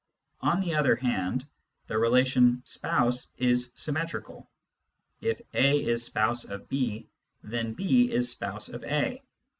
On the other hand, the relation " spouse " is symmetrical : if a is spouse of b, then b is spouse of a.